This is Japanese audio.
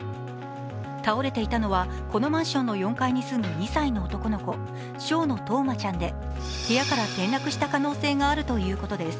倒れていたのはこのマンションの４階に住む２歳の男の子、昌野任真ちゃんで部屋から転落した可能性があるということです。